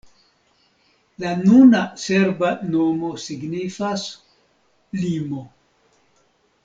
La nuna serba nomo signifas: limo.